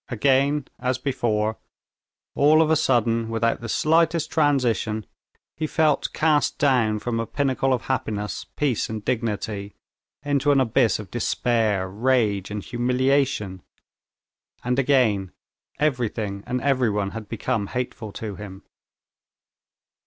Again, as before, all of a sudden, without the slightest transition, he felt cast down from a pinnacle of happiness, peace, and dignity, into an abyss of despair, rage, and humiliation. Again everything and everyone had become hateful to him.